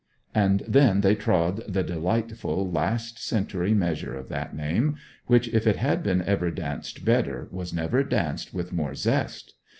And then they trod the delightful last century measure of that name, which if it had been ever danced better, was never danced with more zest.